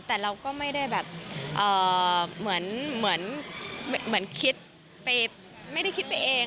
แต่เราก็ไม่ได้แบบเหมือนคิดไปไม่ได้คิดไปเอง